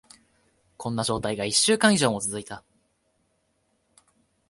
こんな状態が一週間以上も続いた。